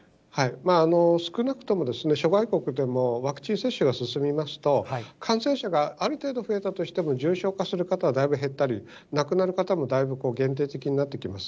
少なくとも諸外国でもワクチン接種が進みますと、感染者がある程度増えたとしても、重症化する方はだいぶ減ったり、亡くなる方もだいぶ限定的になってきます。